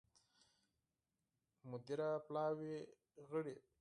مدیره پلاوي غړي